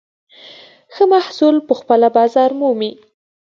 ښه محصول پخپله بازار مومي.